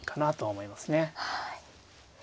はい。